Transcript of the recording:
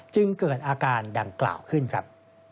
จึงเกิดอาการดังกล่าวขึ้นครับ